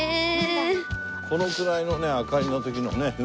このくらいのね明かりの時のね